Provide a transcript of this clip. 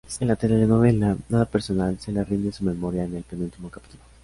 En la telenovela "Nada personal" se le rinde su memoria en el penúltimo capítulo.